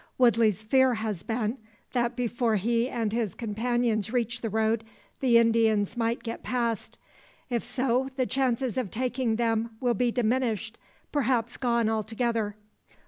Woodley's fear has been, that before he and his companions reach the road, the Indians might get past. If so, the chances of taking them will be diminished perhaps gone altogether.